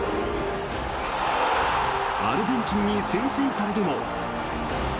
アルゼンチンに先制されるも。